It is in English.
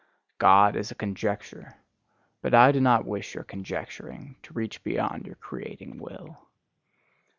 God is a conjecture: but I do not wish your conjecturing to reach beyond your creating will.